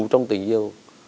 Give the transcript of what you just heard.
trong tình yêu